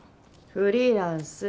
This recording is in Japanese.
フリーランス。